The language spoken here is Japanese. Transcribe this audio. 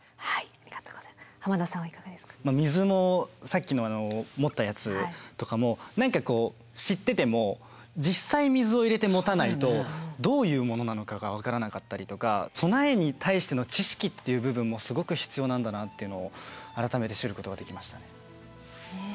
水もさっきのあの持ったやつとかも何かこう知ってても実際水を入れて持たないとどういうものなのかが分からなかったりとか備えに対しての知識っていう部分もすごく必要なんだなっていうのを改めて知ることができましたね。